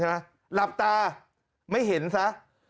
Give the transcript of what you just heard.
หลับตาไม่เห็นซะ